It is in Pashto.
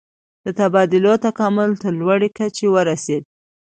د تبادلو تکامل تر لوړې کچې ورسید.